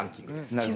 なるほど。